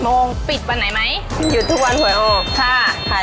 มันจะได้หลุงหลาย